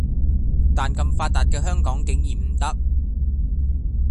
但咁發達嘅香港竟然唔得